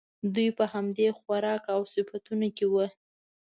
دوی په همدې خوراک او صفتونو کې وو.